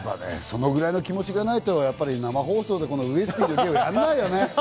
そのぐらいの気持ちがないと生放送でウエスＰ、やらないよね。